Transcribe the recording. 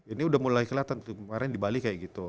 ini udah mulai kelihatan tuh kemarin di bali kayak gitu